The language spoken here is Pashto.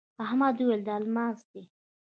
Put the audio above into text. احمد وويل: دا الماس دی.